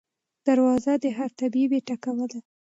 دروازه د هر طبیب یې ټکوله